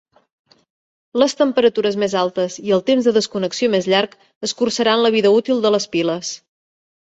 Les temperatures més altes i el temps de desconnexió més llarg escurçaran la vida útil de les piles.